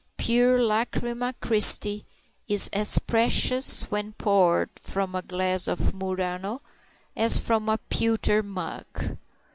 Pure Lacrima Christi is as precious when poured from a glass of Murano as from a pewter mug.